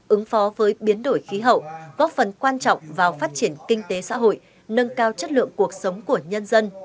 ứng phó với biến đổi khí hậu góp phần quan trọng vào phát triển kinh tế xã hội nâng cao chất lượng cuộc sống của nhân dân